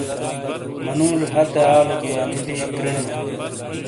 منوجے ہتے آلے تو انی دش کرینا۔